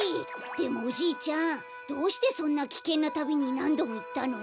でもおじいちゃんどうしてそんなきけんなたびになんどもいったの？